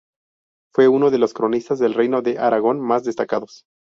Fue uno de los cronistas del Reino de Aragón más destacados.